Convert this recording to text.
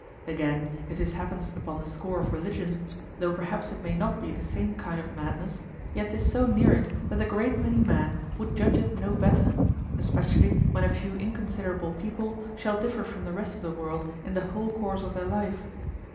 Again, if this happens upon the score of religion, though perhaps it may not be the same kind of madness, yet 'tis so near it that a great many men would judge it no better, especially when a few inconsiderable people shall differ from the rest of the world in the whole course of their life.